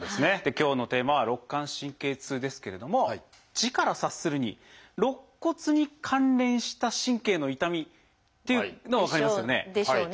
今日のテーマは「肋間神経痛」ですけれども字から察するに肋骨に関連した神経の痛みっていうのは分かりますよね。でしょうね。